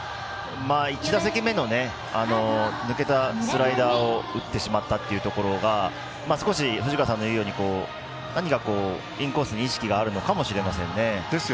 １打席目の抜けたスライダーを打ってしまったというところが少し、藤川さんの言うように何かインコースに意識があるのかもしれませんね。